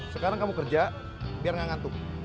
sekarang kamu kerja biar nggak ngantuk